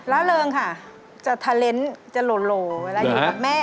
ร้าเริงค่ะจะเทล็นต์จะโหลเวลาอยู่กับแม่